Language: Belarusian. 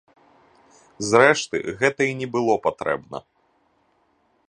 Зрэшты, гэта і не было патрэбна.